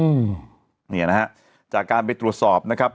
อืมเนี่ยนะฮะจากการไปตรวจสอบนะครับ